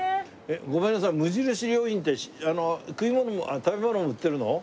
ごめんなさい無印良品って食い物食べ物も売ってるの？